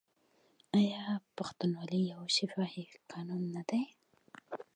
آیا پښتونولي یو شفاهي قانون نه دی؟